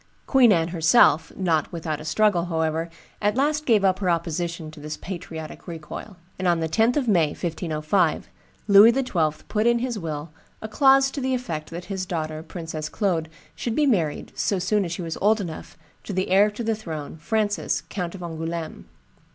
Queen Anne herself, not without a struggle, however, at last gave up her opposition to this patriotic recoil; and on the 10th of May, 1505, Louis XII. put in his will a clause to the effect that his daughter, Princess Claude, should be married, so soon as she was old enough, to the heir to the throne, Francis, Count of Angouleme.